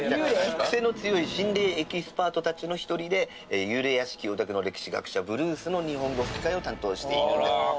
癖の強い心霊エキスパートたちの１人で幽霊屋敷オタクの歴史学者ブルースの日本語吹き替えを担当しているんです。